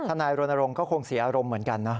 นายรณรงค์ก็คงเสียอารมณ์เหมือนกันนะ